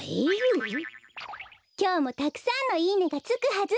きょうもたくさんのいいねがつくはず。